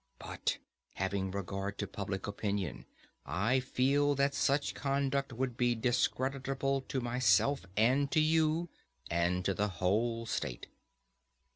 But, having regard to public opinion, I feel that such conduct would be discreditable to myself, and to you, and to the whole state.